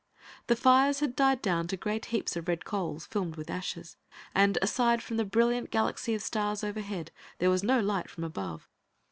The fires had died down to great heaps of red coals, filmed with ashes, and, aside from the brilliant galaxy of stars overhead, there was no light from above.